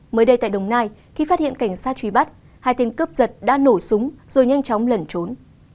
mới đây tại đồng nai khi phát hiện cảnh sát truy bắt hai tên cướp giật đã nổ súng rồi nhanh chóng lẩn trốn